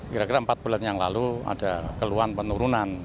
kira kira empat bulan yang lalu ada keluhan penurunan